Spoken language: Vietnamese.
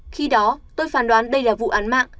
khi đó tôi phán đoán đây là vụ án mạng